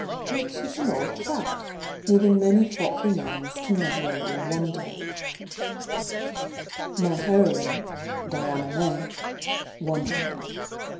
Which IS an odd fact, moving many thoughtful mmds to never ending wonder. My heroine, Diana May, wondered.